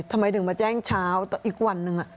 ทำไมถึงมาแจ้งเช้าอีกวันหนึ่ง